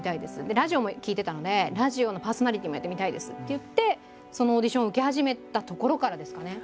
でラジオも聴いてたので「ラジオのパーソナリティーもやってみたいです」って言ってそのオーディションを受け始めたところからですかね。